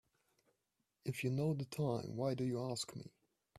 If you know the time why do you ask me?